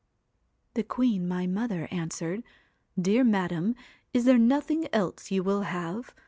' The queen, my mother, answered, " Dear madam, is there nothing else you will have